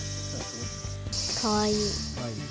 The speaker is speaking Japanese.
かわいい。